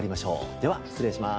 では失礼します。